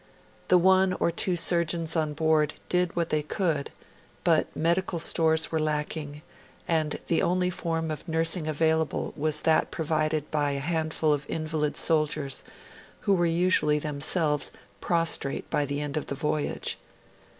The one or two surgeons on board did what they could; but medical stores were lacking, and the only form of nursing available was that provided by a handful of invalid soldiers who were usually themselves prostrate by the end of the voyage.